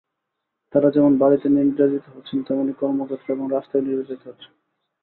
তাঁরা যেমন বাড়িতে নির্যাতিত হচ্ছেন, তেমনি কর্মক্ষেত্র এবং রাস্তায়ও নির্যাতিত হচ্ছেন।